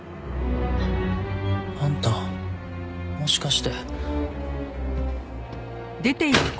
あんたもしかして。